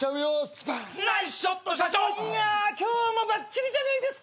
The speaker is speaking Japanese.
いや今日もばっちりじゃないですか！